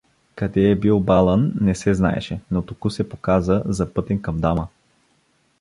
Къде е бил Балан, не се знаеше, но току се показа, запътен към дама.